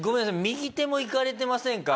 右手もいかれてませんか？